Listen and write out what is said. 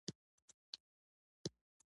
ګل منصور یاغستان ته ولاړ.